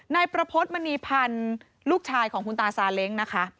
นายประพฤติมณีพันธ์ลูกชายของคุณตาซาเล้งนะคะ